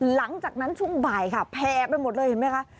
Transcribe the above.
หลังจากนั้นช่วงบ่ายค่ะแพร่ไปหมดเลยเห็นไหมคะ